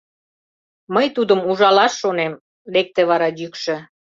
— Мый тудым ужалаш шонем, — лекте вара йӱкшӧ.